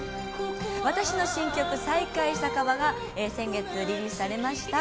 私の新曲「再会酒場」が先月リリースされました。